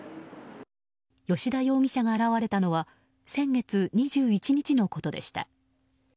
吉田容疑者が現れたのは先月２１日のことでした。